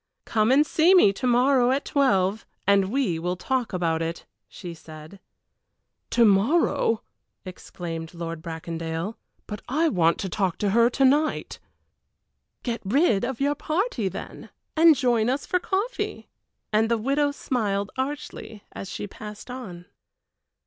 "Come and see me to morrow at twelve, and we will talk about it," she said. "To morrow!" exclaimed Lord Bracondale; "but I want to talk to her to night!" "Get rid of your party, then, and join us for coffee," and the widow smiled archly as she passed on.